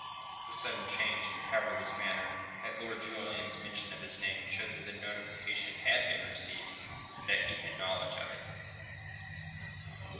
The sudden change in Calverley's manner at Lord Julian's mention of his name showed that the notification had been received, and that he had knowledge of it.